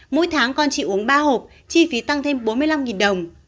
mỗi tháng con chị uống ba hộp chi phí tăng thêm bốn mươi năm đồng